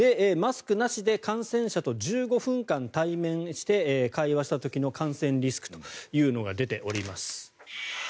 マスクなしで感染者と１５分間対面して会話した時の感染リスクというのが出ております。